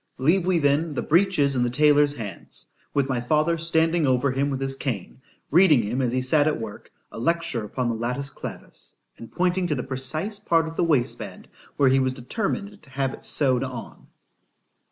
—— ——Leave we then the breeches in the taylor's hands, with my father standing over him with his cane, reading him as he sat at work a lecture upon the latus clavus, and pointing to the precise part of the waistband, where he was determined to have it sewed on.